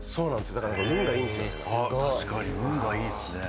確かに運がいいっすね。